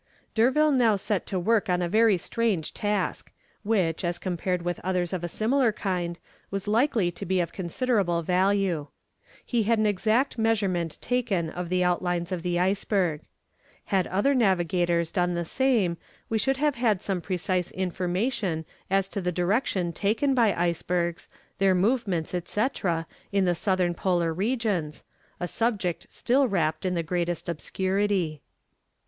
'" D'Urville now set to work on a very strange task, which, as compared with others of a similar kind, was likely to be of considerable value. He had an exact measurement taken of the outlines of the iceberg. Had other navigators done the same we should have had some precise information as to the direction taken by icebergs, their movements, &c., in the southern Polar regions, a subject still wrapped in the greatest obscurity.